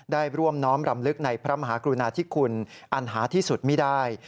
ได้ร่วมน้อมรำลึกในพระมหากรุณาธิคุณอันหาที่สุดไม่ได้